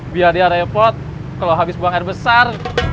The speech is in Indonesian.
biar dia repot kalau habis buang air besar